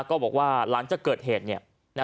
ก็บอกว่าหลังจากเกิดเหตุเนี้ยนะฮะ